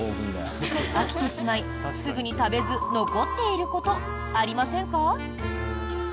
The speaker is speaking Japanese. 飽きてしまい、すぐに食べず残っていることありませんか？